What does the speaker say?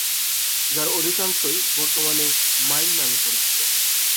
যার অধিকাংশই বর্তমানে "মাইন" নামে পরিচিত।